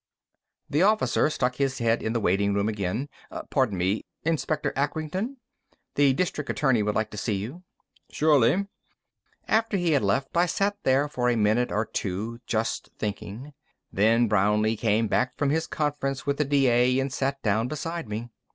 The officer stuck his head in the waiting room again. "Pardon me. Inspector Acrington? The District Attorney would like to see you." "Surely." After he had left, I sat there for a minute or two, just thinking. Then Brownlee came back from his conference with the D.A. and sat down beside me.